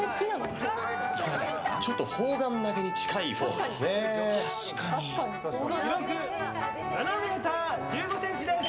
ちょっと砲丸投げに近いフォームですね。